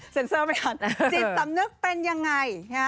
จิตสำนึกเป็นยังไง